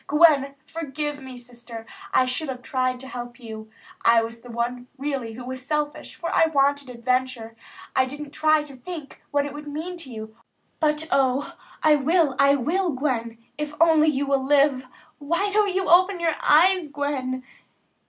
Gwen, forgive me, Sister. I should have tried to help you. I was the one really who was selfish, for I wanted adventure. I didn't try to think what it would mean to you; but O, I will, I will, Gwen, if only you will live. Why don't you open your eyes, Gwen?"